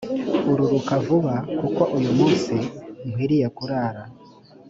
ururuka vuba kuko uyu munsi nkwiriye kurara